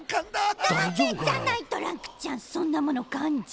ダメじゃないトランクちゃんそんなものかんじゃ。